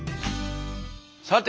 さて